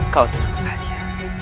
kau tenang saja